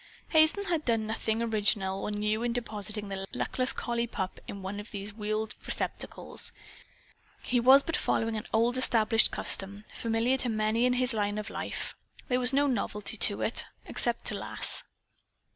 Hazen had done nothing original or new in depositing the luckless collie pup in one of these wheeled receptacles. He was but following an old established custom, familiar to many in his line of life. There was no novelty to it, except to Lass.